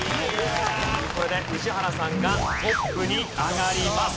これで宇治原さんがトップに上がります。